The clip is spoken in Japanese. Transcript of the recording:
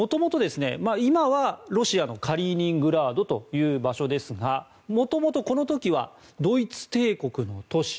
今はロシアのカリーニングラードという場所ですが元々この時はドイツ帝国の都市